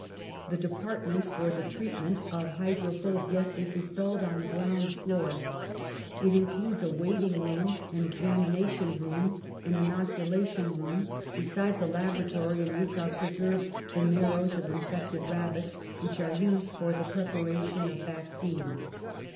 The department for the treatment of hydro THE PASTEUR INSTITUTE 185 phobia is installed on the ground floor; it in cludes a waiting room, an examination room, an inoculation room, besides a laboratory, in which are preserved the marrows of infected rabbits, which are used for the preparation of vaccines.